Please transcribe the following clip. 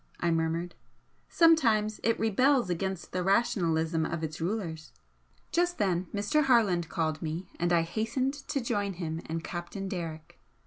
I murmured "Sometimes it rebels against the 'rationalism' of its rulers!" Just then Mr. Harland called me, and I hastened to join him and Captain Derrick.